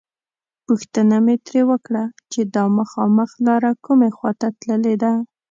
پوښتنه مې ترې وکړه چې دا مخامخ لاره کومې خواته تللې ده.